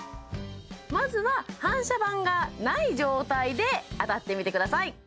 まずは反射板がない状態で当たってみてください